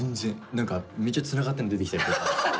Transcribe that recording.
何かめちゃつながってんの出てきたりとか。